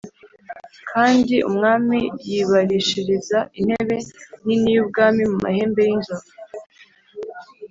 Kandi umwami yibārishiriza intebe nini y’ubwami mu mahembe y’inzovu